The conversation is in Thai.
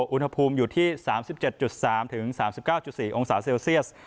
อุณหภูมิอยู่ที่๓๗๓๓๙๔องศาเซลเซียส